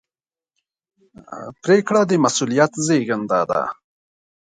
پرېکړه د مسؤلیت زېږنده ده.